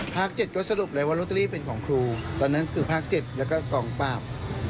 ๗ก็สรุปเลยว่าลอตเตอรี่เป็นของครูตอนนั้นคือภาค๗แล้วก็กองปราบ